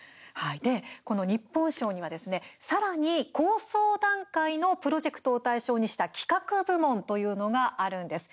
で、この日本賞にはですねさらに構想段階のプロジェクトを対象にした企画部門というのがあるんです。